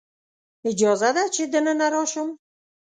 اجازه ده چې دننه راشم؟